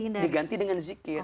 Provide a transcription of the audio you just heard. makanya diganti dengan zikir